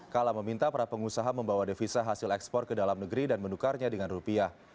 kala meminta para pengusaha membawa devisa hasil ekspor ke dalam negeri dan menukarnya dengan rupiah